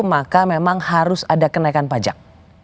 maka memang harus ada kenaikan pajak